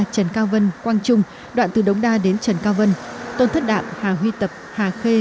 trần cao vân quang trung đoạn từ đống đa đến trần cao vân tôn thất đạm hà huy tập hà khê